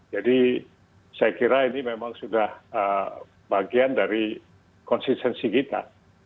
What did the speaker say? jadi saya kira ini memang sudah bagian dari konsistensi kita